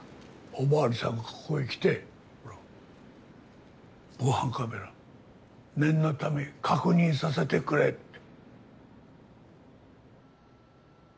お巡りさんがここへ来て防犯カメラ念のため確認させてくれって。